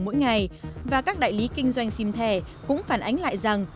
mỗi ngày và các đại lý kinh doanh sim thẻ cũng phản ánh lại rằng